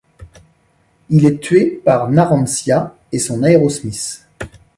Il est tué par Narancia et son Aerosmith.